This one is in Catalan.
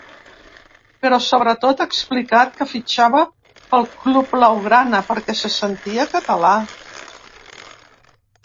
Però, sobretot ha explicat que fitxava pel club blau-grana perquè se sentia català.